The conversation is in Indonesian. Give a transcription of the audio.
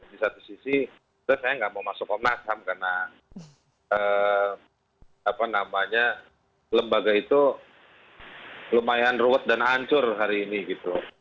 di satu sisi saya nggak mau masuk komnas ham karena lembaga itu lumayan ruwet dan hancur hari ini gitu